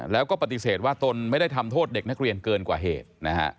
แล้วก็ปฏิเสธว่าตนไม่ได้ทำโทษเด็กนักเรียนเกินกว่าเหตุนะฮะ